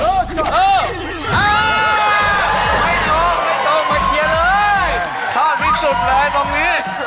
ชอบที่สุดเลยตรงนี้